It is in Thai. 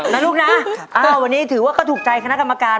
นะลูกนะวันนี้ถือว่าก็ถูกใจคณะกรรมการ